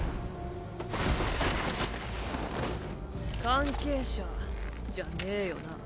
関係者じゃねぇよな。